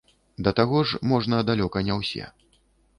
Да таго ж, можна далёка не ўсе.